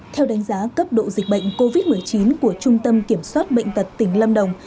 theo đánh giá cấp độ dịch bệnh covid một mươi chín của trung tâm kiểm soát bệnh tật tỉnh lâm đồng